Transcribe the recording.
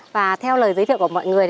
và theo lời giới thiệu của mọi người